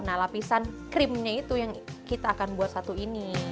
nah lapisan krimnya itu yang kita akan buat satu ini